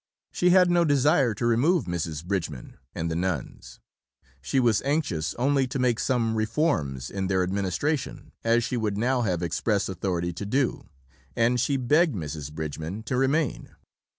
She had no desire to remove Mrs. Bridgeman and the nuns; she was anxious only to make some reforms in their administration, as she would now have express authority to do; and she begged Mrs. Bridgeman to remain.